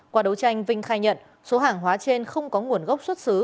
qua đấu tranh vinh khai nhận số hàng hóa trên không có nguồn gốc xuất xứ